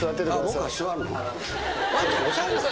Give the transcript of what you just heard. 僕は座るの？